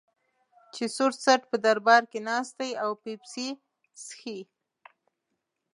چې سور څټ په دربار کې ناست دی او پیپسي څښي.